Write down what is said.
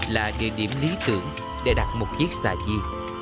là địa điểm lý tưởng để đặt một chiếc xà di